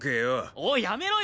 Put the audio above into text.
おいやめろよ！